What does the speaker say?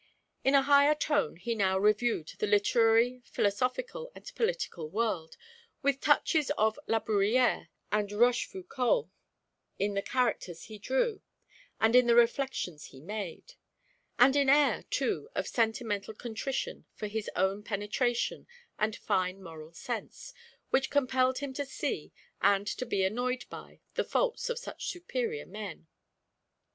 In a higher tone he now reviewed the literary, philosophical, and political world, with touches of La Bruyere and Rochefoucault in the characters he drew and in the reflections he made; with an air, too, of sentimental contrition for his own penetration and fine moral sense, which compelled him to see and to be annoyed by the faults of such superior men.